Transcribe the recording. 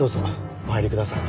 お入りください。